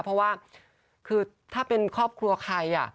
เพราะว่าคือถ้าเป็นครอบครัวใคร